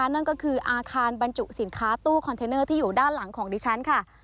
นั่นก็คืออาคารบรรจุสินค้าตู้คอนเทนเนอร์ที่อยู่ด้านหลังของดิฉันค่ะ